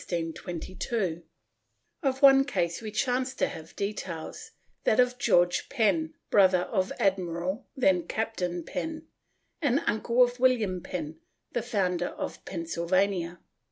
^ Of one case we chance to have details — that of George Penn, brother of Admiral — then Captain — Penn, and uncle of William Penn, the Founder of Pennsylvania.